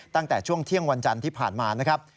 ตั้งแต่ช่วงเที่ยงวันจันทร์ที่ผ่านมานะครับ